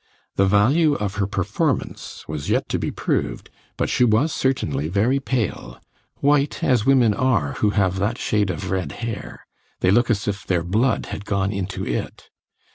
The value of her performance was yet to be proved, but she was certainly very pale, white as women are who have that shade of red hair; they look as if their blood had gone into it.